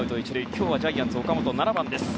今日はジャイアンツの岡本７番です。